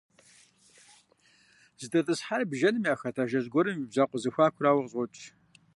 ЗыдэтӀысхьар бжэным яхэт ажэжь гуэрым и бжьакъуэ зэхуакурауэ къыщӀокӀ.